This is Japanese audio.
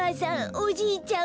おじいちゃん